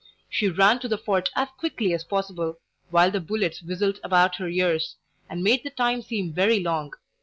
She ran to the fort as quickly as possible, while the bullets whistled about her ears, and made the time seem very long.